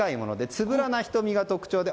つぶらな瞳が特徴で。